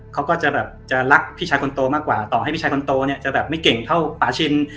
เขาก็จะแบบจะรักพี่ชายคนโตมากกว่าต่อให้พี่ชายคนโตเนี่ยจะแบบไม่เก่งเท่าป่าชิน